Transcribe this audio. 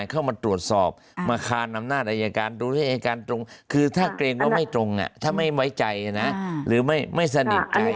ดูให้อายการตรงคือถ้าเกรงก็ไม่ตรงอะถ้าไม่ไว้ใจนะหรือไม่สนิทใกล้